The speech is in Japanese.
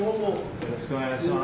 よろしくお願いします。